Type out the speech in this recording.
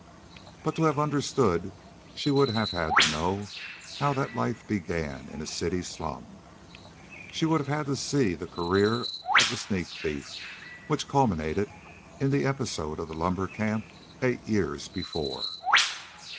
But to have understood, she would have had to know how that life began in a city slum. She would have had to see the career of the sneak thief which culminated in the episode of the lumber camp eight years before.